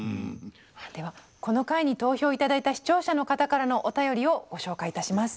ではこの回に投票頂いた視聴者の方からのお便りをご紹介いたします。